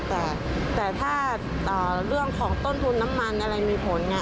แต่แต่ถ้าอ่าเรื่องของต้นทุนน้ำมันอะไรมีผลเนี้ย